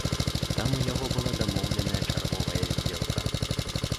Там у яго была дамоўленая чарговая здзелка.